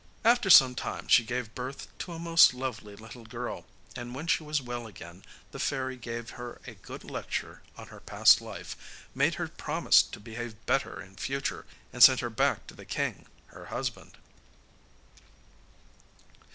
After some time she gave birth to a most lovely little girl, and when she was well again the fairy gave her a good lecture on her past life, made her promise to behave better in future, and sent her back to the king, her husband.